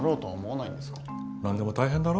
なんでも大変だろ？